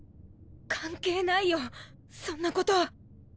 関係ないよそんなこと。